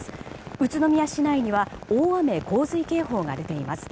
宇都宮市内には大雨・洪水警報が出ています。